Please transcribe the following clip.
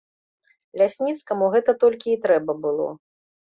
Лясніцкаму гэтага толькі і трэба было.